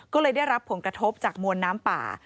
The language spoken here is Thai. ก็เลยได้รับผลกระทบจากมวลน้ำป่า